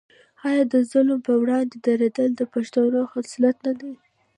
آیا د ظالم پر وړاندې دریدل د پښتون خصلت نه دی؟